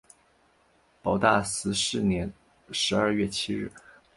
保大十四年十二月七日。